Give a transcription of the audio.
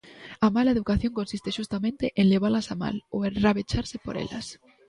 A mala educación consiste xustamente en levalas a mal ou enrabecharse por elas.